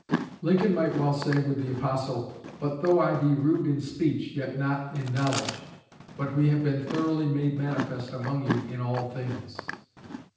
Lincoln might well say with the apostle, 'But though I be rude in speech, yet not in knowledge, but we have been thoroughly made manifest among you in all things.'